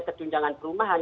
untuk tunjangan perumahan